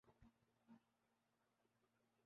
ہماری ضرورت پوری کرنے کو کافی تھا